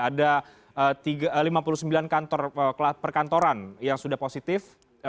ada lima puluh sembilan kantor perkantoran yang sudah positif